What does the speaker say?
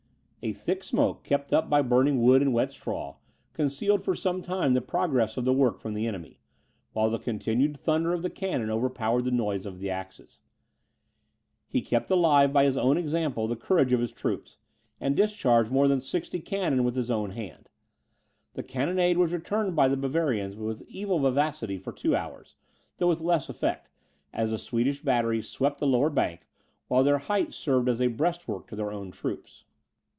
A thick smoke, kept up by burning wood and wet straw, concealed for some time the progress of the work from the enemy, while the continued thunder of the cannon overpowered the noise of the axes. He kept alive by his own example the courage of his troops, and discharged more than 60 cannon with his own hand. The cannonade was returned by the Bavarians with equal vivacity for two hours, though with less effect, as the Swedish batteries swept the lower opposite bank, while their height served as a breast work to their own troops.